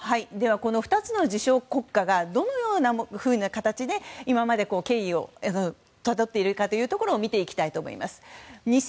この２つの自称国家がどのような形で今まで経緯をたどっているかを見ていきたいと思います。